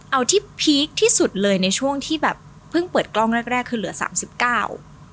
เอาที่พีคที่สุดเลยในช่วงที่แบบเพิ่งเปิดกล้องแรกแรกคือเหลือสามสิบเก้า